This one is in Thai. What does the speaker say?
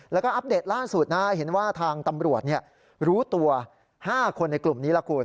แล้วก็อัปเดตล่าสุดนะเห็นว่าทางตำรวจรู้ตัว๕คนในกลุ่มนี้ล่ะคุณ